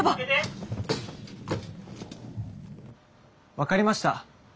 分かりました。